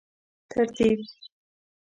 ترتیب